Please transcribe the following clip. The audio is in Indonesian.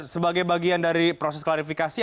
sebagai bagian dari proses klarifikasi